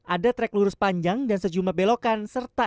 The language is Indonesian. ada trek lurus panjang dan sejumlah belokan serta